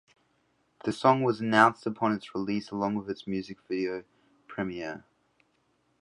The song was announced upon its release along with its music video premiere.